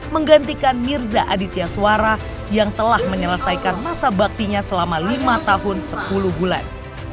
menggantikan mirza aditya suara yang telah menyelesaikan masa baktinya selama lima tahun sepuluh bulan